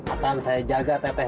akan saya jaga teh teh